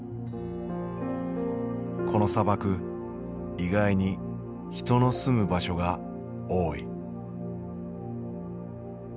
この砂漠意外に人の住む場所が多い。